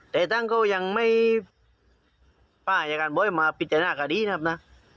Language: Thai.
แต่ตั้งก็ยังไม่ป่ายการบร้อยมาพิจารณาขาดีนะครับนะ